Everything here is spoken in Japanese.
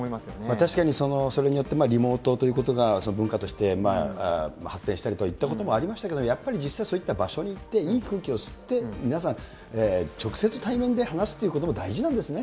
確かにそれによってリモートということが文化として発展したりといったこともありましたけれども、やっぱり実際、そういった場所に行って、いい空気を吸って、皆さん、直接対面で話すということも大事なんですね。